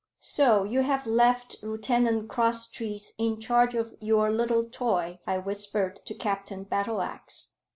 "So you have left Lieutenant Crosstrees in charge of your little toy," I whispered to Captain Battleax.